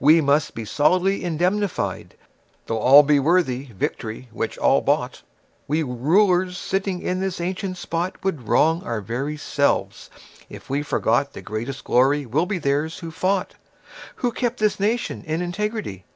We must be solidly indemnified. Though all be worthy Victory which all bought, We rulers sitting in this ancient spot Would wrong our very selves if we forgot The greatest glory will be theirs who fought, Who kept this nation in integrity."